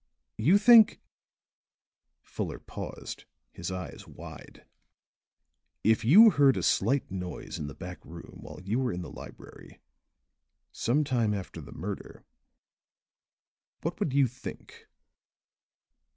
"You think " Fuller paused, his eyes wide. "If you heard a slight noise in the back room while you were in the library, some time after the murder, what would you think?"